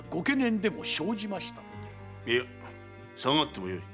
いや下がってもよい。